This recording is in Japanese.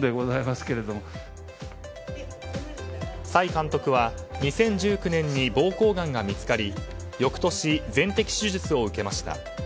崔監督は２０１９年に膀胱がんが見つかり翌年、全摘手術を受けました。